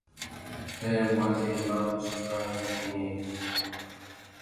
There was a mouse drowned in it.